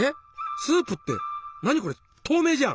スープって何これ透明じゃん！